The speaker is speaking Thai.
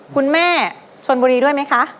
คุณแม่ชนบุรีด้วยไหมคะ